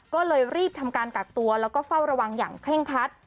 ก็เลยรีบทำการกักตัวแล้วก็เฝ้าระวังอย่างเคร่งคัด